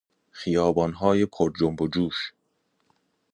خیبانهای پرجنب و جوش